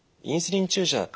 インスリン注射